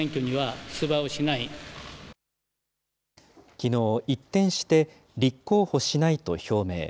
きのう、一転して立候補しないと表明。